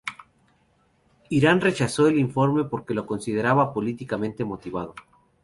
Irán rechazó el informe porque lo consideraba "políticamente motivado".